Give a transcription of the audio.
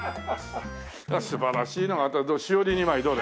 素晴らしいのが当たったしおり２枚どれ？